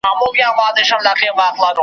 ما پور غوښتی تا نور غوښتی .